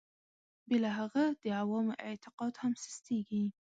بې له هغه د عوامو اعتقاد هم سستېږي.